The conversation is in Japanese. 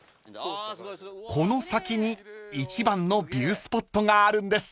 ［この先に一番のビュースポットがあるんです］